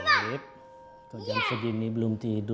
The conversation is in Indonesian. atau jam segini belum tidur